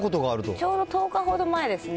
ちょうど１０日ほど前ですね。